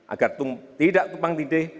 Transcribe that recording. agar tidak tumpang tindih